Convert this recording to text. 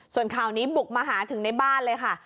ส่วนข่าวนี้บุกมาหาถึงในบ้านเลยค่ะ